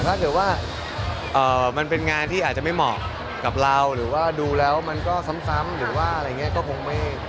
ถ้าเกิดว่ามันเป็นงานที่ไม่เหมาะกับเราดูแล้วมันก็ซ้ำหรือทั้งดวงภาพก็คงไม่